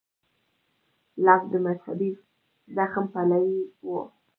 لاک د مذهبي زغم پلوی و.